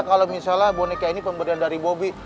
kalau misalnya boneka ini pemberian dari bobi